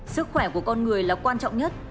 sức khỏe của con người là quan trọng nhất